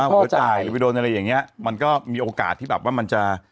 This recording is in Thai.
หัวจ่ายหรือไปโดนอะไรอย่างเงี้ยมันก็มีโอกาสที่แบบว่ามันจะ